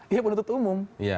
ya penutup umum